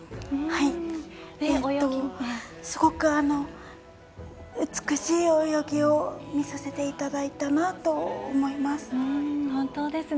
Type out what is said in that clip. すごく美しい泳ぎを見させていただいたなと思います。